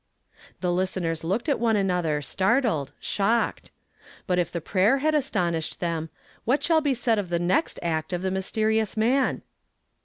The listenei s looked at one another, startled, shocked. But if the prayer had astonished them, what shall be said of the next ret of this mysteri ous man